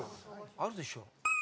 あるでしょ。